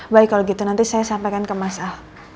baik kalau begitu nanti saya sampaikan ke mas al